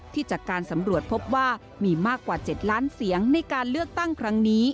จากการสำรวจพบว่ามีมากกว่า๗ล้านเสียงในการเลือกตั้งครั้งนี้